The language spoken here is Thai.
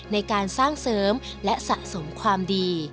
ในการสร้างเสริมและสะสมความดี